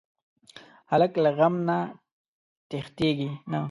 هلک له غم نه تښتېږي نه.